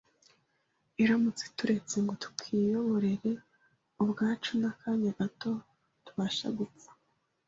iramutse ituretse ngo twiyobore ubwacu n’akanya gato, tubasha gupfa